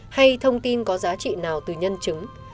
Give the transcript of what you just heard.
hay thông tin có giá trị nào từ nhân chứng